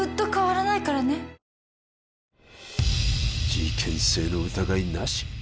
事件性の疑いなし？